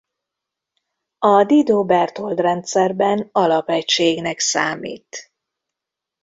A Didot–Berthold-rendszerben alapegységnek számít.